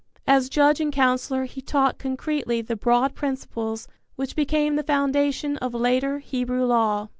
As judge and counsellor, he taught concretely the broad principles which became the foundation of later Hebrew law.